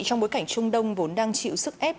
trong bối cảnh trung đông vốn đang chịu sức ép